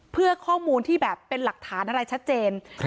เพื่อข้อมูลที่แบบเป็นหลักฐานอะไรชัดเจน